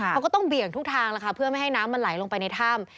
เขาก็ต้องเบี่ยงทุกทางแล้วค่ะเพื่อไม่ให้น้ำมันไหลลงไปในถ้ำ